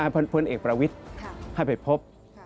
พลเอกประวิทย์ให้ไปพบ